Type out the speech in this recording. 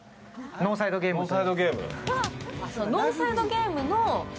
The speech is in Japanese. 「ノーサイド・ゲーム」？